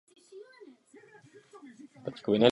Pocházel z chudé šlechtické rodiny švédského původu.